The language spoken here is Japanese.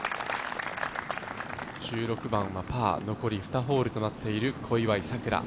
１６番はパー、残り２ホールとなっている小祝さくら。